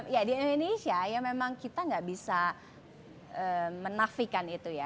ya di indonesia ya memang kita nggak bisa menafikan itu ya